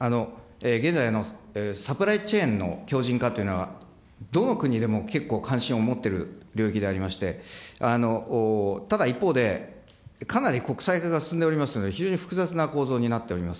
現在、サプライチェーンの強じん化というのは、どの国でも結構、関心を持ってる領域でありまして、ただ一方で、かなり国際化が進んでおりますので、非常に複雑な構造になっております。